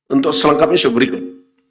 untuk selengkapnya soal berikut